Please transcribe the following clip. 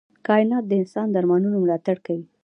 کائنات د انسان د ارمانونو ملاتړ کوي.